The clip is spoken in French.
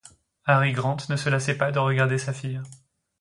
Harry Grant ne se lassait pas de regarder sa fille.